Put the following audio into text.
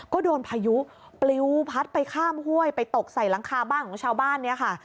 ก็โดนพายุปลิวพัดไปข้ามห้วยไปตกใส่หลังคาบ้านของชาวบ้านเนี่ยค่ะ